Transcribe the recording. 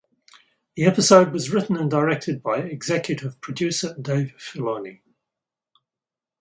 The episode was written and directed by executive producer Dave Filoni.